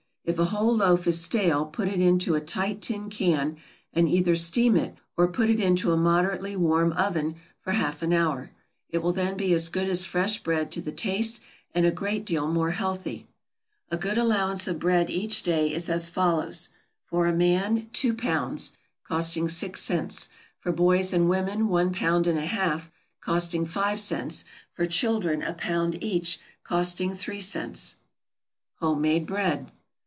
If a whole loaf is stale put it into a tight tin can, and either steam it, or put it into a moderately warm oven for half an hour; it will then be as good as fresh bread to the taste, and a great deal more healthy. A good allowance of bread each day is as follows: for a man two pounds, costing six cents; for boys and women one pound and a half, costing five cents; for children a pound each, costing three cents. =Homemade Bread.